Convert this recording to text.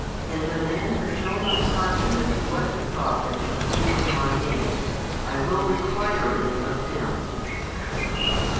And the man who shall not hearken unto what the Prophet shall speak in My Name, I will require it of him.